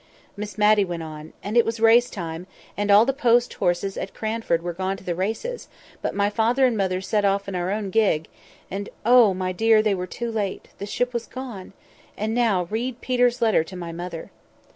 Miss Matty went on, "And it was racetime, and all the post horses at Cranford were gone to the races; but my father and mother set off in our own gig—and oh! my dear, they were too late—the ship was gone! And now read Peter's letter to my mother!"